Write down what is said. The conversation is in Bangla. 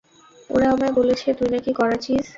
ওরা আমায় বলেছে তুই না-কি কড়া চিজ।